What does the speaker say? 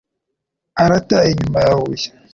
Arata inyuma ya Huye